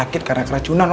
kita masuk dulu deh